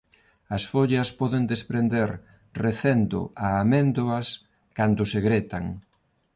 As follas poden desprender recendo a améndoas cando se gretan.